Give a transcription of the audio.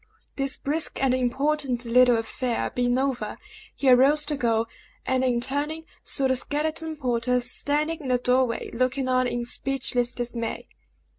This brisk and important little affair being over, he arose to go, and in turning, saw the skeleton porter standing in the door way, looking on in speechless dismay.